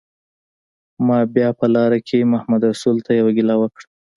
ما بیا په لاره کې محمدرسول ته یوه ګیله وکړه.